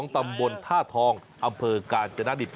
ตำบลท่าทองอำเภอกาญจนดิต